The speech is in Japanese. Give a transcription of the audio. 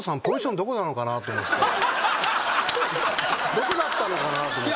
どこだったのかなと思って。